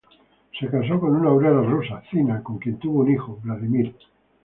Se casó con una obrera rusa, Zina, con quien tuvo un hijo, Vladimir.